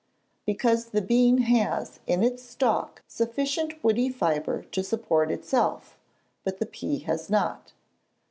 _ Because the bean has in its stalk sufficient woody fibre to support itself, but the pea has not.